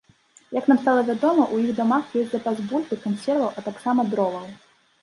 Як нам стала вядома, у іх дамах ёсць запас бульбы, кансерваў, а таксама дроваў.